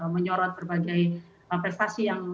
menyorot berbagai prestasi yang